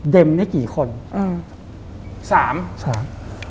เด่มได้กี่คนสาม